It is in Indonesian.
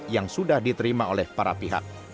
yang sudah diterima oleh para pihak